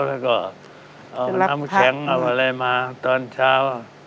แล้วก็เอาน้ำแข็งเอาอะไรมาตอนเช้า